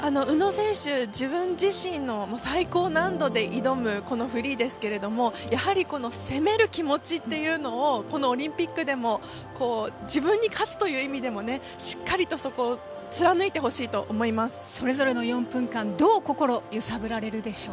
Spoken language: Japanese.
宇野選手は自分自身の最高難度で挑むこのフリーですけれどもやはり攻める気持ちというのをこのオリンピックでも自分に勝つという意味でもしっかりとそこを貫いてほしいと思います。